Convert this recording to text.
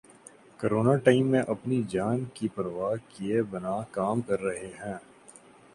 Corona time میں اپنی جان کی پرواہ کیے بنا کام کر رہے ہیں۔